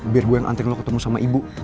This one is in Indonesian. biar saya yang anterin kamu ketemu ibu